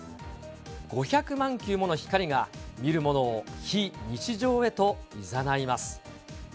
５００万球もの光が、見る者を非日常へといざないます。